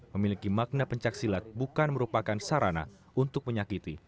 memiliki makna pencak silat bukan merupakan sarana untuk menyakiti